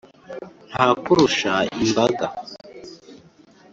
ntakurusha imbaga,